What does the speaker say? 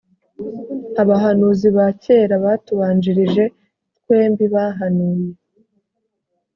abahanuzi ba kera batubanjirije twembi bahanuye